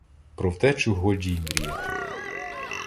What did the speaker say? Про втечу годі й мріяти.